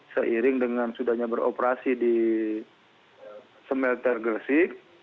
seiring dengan sudahnya beroperasi di semelter gelsik